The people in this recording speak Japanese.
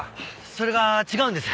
それが違うんです。